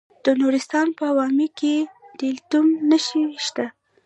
د نورستان په واما کې د لیتیم نښې شته.